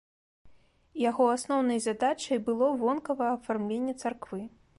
Яго асноўнай задачай было вонкава афармленне царквы.